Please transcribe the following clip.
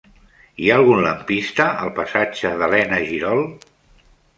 Hi ha algun lampista al passatge d'Elena Girol?